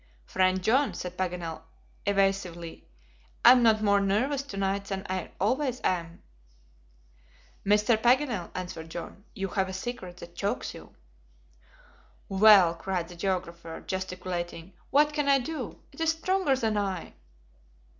"Friend John," said Paganel, evasively, "I am not more nervous to night than I always am." "Mr. Paganel," answered John, "you have a secret that chokes you." "Well!" cried the geographer, gesticulating, "what can I do? It is stronger than I!"